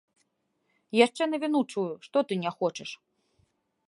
Яшчэ навіну чую, што ты не хочаш?